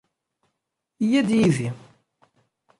Iyya-d yid-i.